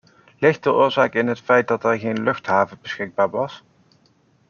Ligt de oorzaak in het feit dat er geen vluchthaven beschikbaar was?